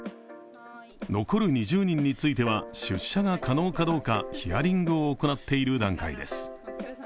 残る２０人については出社が可能かどうかヒアリングを行っている段階です。